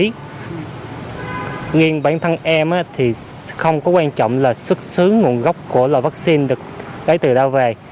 riêng bản thân em thì không có quan trọng là xuất xứ nguồn gốc của loại vaccine được lấy từ đâu về